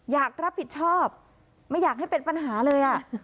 อยากรับผิดชอบไม่อยากให้เป็นปัญหาเลย